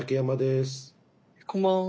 こんばんは。